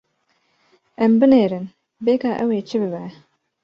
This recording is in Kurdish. Em binêrin bê ka ew ê çi bibe.